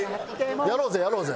やろうぜやろうぜ。